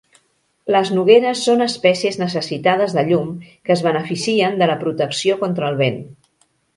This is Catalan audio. Les nogueres son espècies necessitades de llum que es beneficien de la protecció contra el vent.